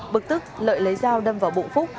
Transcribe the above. bực tức lợi lấy dao đâm vào bụng phúc